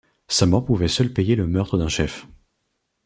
Sa mort pouvait seule payer le meurtre d’un chef.